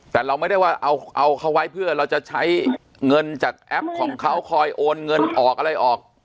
แต่เราไม่ได้ว่าเอาเขาไว้เพื่อเราจะใช้เงินจากแอปของเขาคอยโอนเงินออกอะไรออก